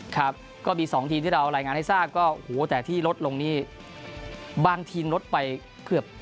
ครับก็มี๒ทีมที่เรารายงานให้ทราบก็โหแต่ที่ลดลงนี่บางทีมลดไปเกือบ